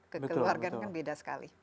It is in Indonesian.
ke keluarga kan beda sekali